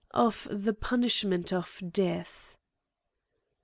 Of the Punishment of Death.